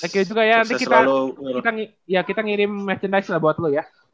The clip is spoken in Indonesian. thank you juga ya nanti kita ngirim merchandise lah buat lu ya